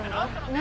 何？